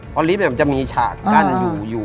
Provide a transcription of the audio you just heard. เพราะลิฟท์อ่ะมันจะมีฉาดกั้นอยู่อยู่